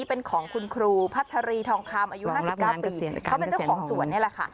เป็นของคุณครูพัชรีทองคำอายุ๕๙ปีเขาเป็นเจ้าของสวนนี่แหละค่ะ